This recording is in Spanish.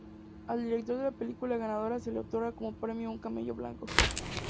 Al director de la película ganadora se le otorga como premio un camello blanco.